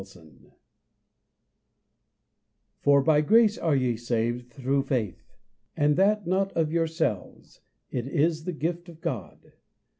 LOVE _For by grace are ye saved through faith; and that not of yourselves; it is the gift of God.